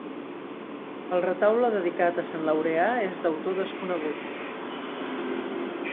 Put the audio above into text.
El retaule dedicat a Sant Laureà és d'autor desconegut.